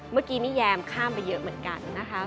เมื่อกี้นี่แยมข้ามไปเยอะเหมือนกันนะคะ